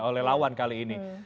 oleh lawan kali ini